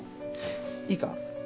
いいか？